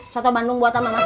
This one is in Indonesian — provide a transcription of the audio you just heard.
soto bandung buatan mamah